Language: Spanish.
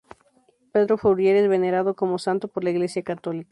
Pedro Fourier es venerado como santo por la Iglesia católica.